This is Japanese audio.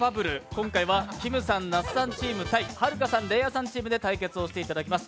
今回はきむさん・茄子サンチーム対はるかさん・れいあさんチームで対決していただきます。